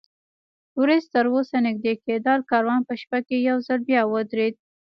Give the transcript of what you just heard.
ورېځ تراوسه نږدې کېدل، کاروان په شپه کې یو ځل بیا ودرېد.